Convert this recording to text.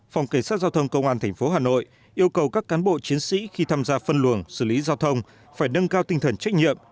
phòng cảnh sát giao thông công an tp hà nội yêu cầu các cán bộ chiến sĩ khi tham gia phân luồng xử lý giao thông phải nâng cao tinh thần trách nhiệm